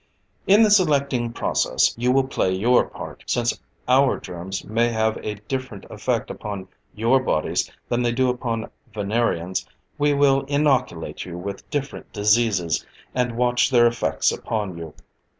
"In the selecting process, you will play your part. Since our germs may have a different effect upon your bodies than they do upon Venerians, we will inoculate you with different diseases, and watch their effects upon you.